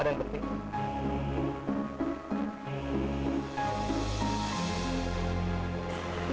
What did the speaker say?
ada yang penting